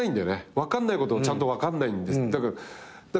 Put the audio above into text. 分かんないことをちゃんと「分かんないんです」